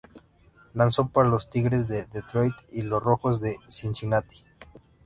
Lanzó para los Tigres de Detroit y los Rojos de Cincinnati.